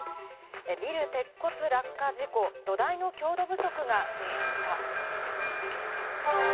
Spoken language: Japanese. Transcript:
ビル鉄骨落下事故、土台の強化不足が原因か。